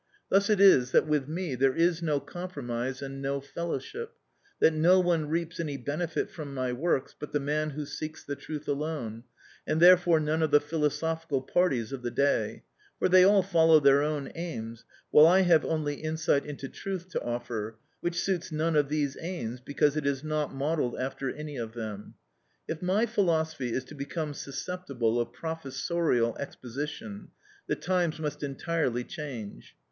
Thus it is that with me there is no compromise and no fellowship, that no one reaps any benefit from my works but the man who seeks the truth alone, and therefore none of the philosophical parties of the day; for they all follow their own aims, while I have only insight into truth to offer, which suits none of these aims, because it is not modelled after any of them. If my philosophy is to become susceptible of professorial exposition, the times must entirely change.